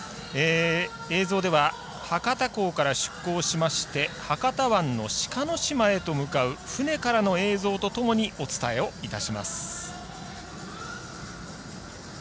映像では博多港から出航しまして博多湾の志賀島へと向かう船からの映像とともにお伝えをいたします。